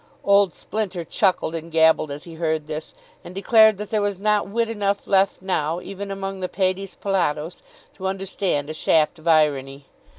Old Splinter chuckled and gabbled as he heard this, and declared that there was not wit enough left now even among the Paides Pallados to understand a shaft of irony.